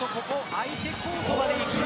相手コートまでいきます。